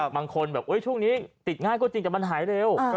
บางคนแบบช่วงนี้ติดง่ายก็จริงแต่มันหายเร็ว